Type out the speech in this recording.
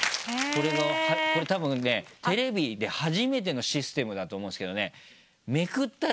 これがこれたぶんねテレビで初めてのシステムだと思うんですけどね。